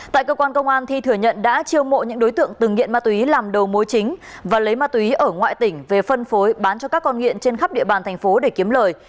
tại cơ quan công an thi thừa nhận đã chiêu mộ những đối tượng từng nghiện ma túy làm đầu mối chính và lấy ma túy ở ngoại tỉnh về phân phối bán cho các con nghiện trên khắp địa bàn thành phố để kiếm lời